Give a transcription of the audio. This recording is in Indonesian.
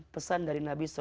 pesan dari nabi s a w